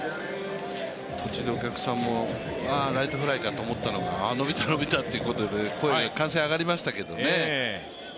途中でお客さんも、ああライトフライかと思ったのが伸びた伸びたということで途中で歓声が上がりましたけどね。